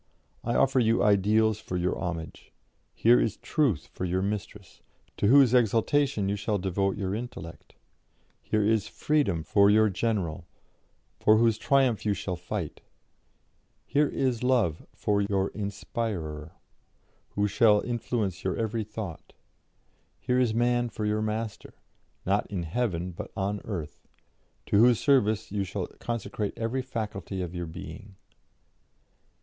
I offer you ideals for your homage: here is Truth for your Mistress, to whose exaltation you shall devote your intellect; here is Freedom for your General, for whose triumph you shall fight; here is Love for your Inspirer, who shall influence your every thought; here is Man for your Master not in heaven, but on earth to whose service you shall consecrate every faculty of your being.